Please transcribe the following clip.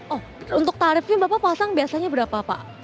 oh untuk tarifnya bapak pasang biasanya berapa pak